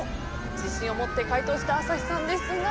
自信を持って解答した朝日さんですが。